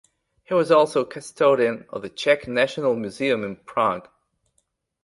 He was also custodian of the Czech National Museum in Prague.